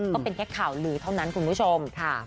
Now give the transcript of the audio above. ก็เป็นแค่ข่าวลือเท่านั้นคุณผู้ชม